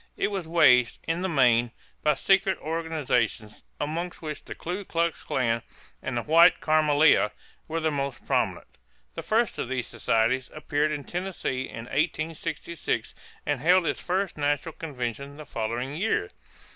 It was waged, in the main, by secret organizations, among which the Ku Klux Klan and the White Camelia were the most prominent. The first of these societies appeared in Tennessee in 1866 and held its first national convention the following year.